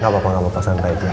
gapapa gapapa santai aja